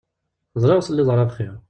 Ẓriɣ ur telliḍ ara bxiṛ.